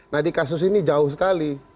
nah di kasus ini jauh sekali